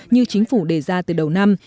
như chính phủ đề ra từ đầu năm